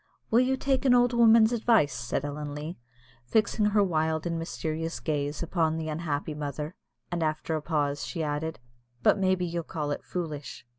"Will you take an old woman's advice?" said Ellen Leah, fixing her wild and mysterious gaze upon the unhappy mother; and, after a pause, she added, "but maybe you'll call it foolish?"